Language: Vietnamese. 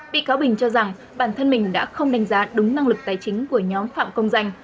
bị cáo bình cho rằng bản thân mình đã không đánh giá đúng năng lực tài chính của nhóm phạm công danh